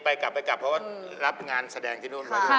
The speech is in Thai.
กลับไปกลับไปกลับเพราะว่ารับงานแสดงที่นู่นไว้